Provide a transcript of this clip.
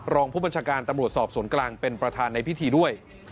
รองผู้บัญชาการตำรวจสอบสวนกลางเป็นประธานในพิธีด้วย